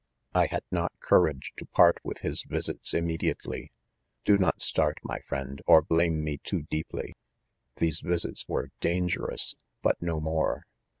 I had not cou rage to part with. his visits immediately. Do not start, my friend, or blame me too deeply. 4 These visits were dangerous, but no more.